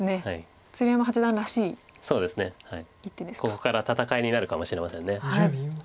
ここから戦いになるかもしれません。